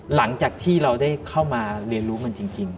หลังจากที่เราได้เข้ามาเรียนรู้มันจริง